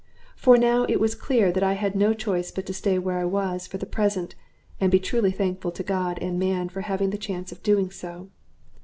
For now it was clear that I had no choice but to stay where I was for the present, and be truly thankful to God and man for having the chance of doing so.